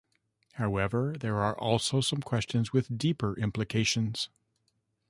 However, there are also some questions with deeper implications.